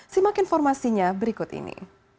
simak informasinya berikut ini